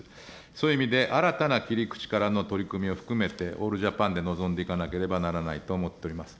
そういう意味で新たな切り口からの取り組みを含めて、オールジャパンで臨んでいかなければならないと思っております。